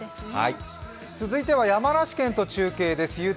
続いては山梨県と中継です。